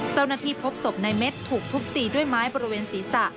เจ้าหน้าที่พบศพในเม็ดถูกทุบตีด้วยไม้บริเวณศีรษะ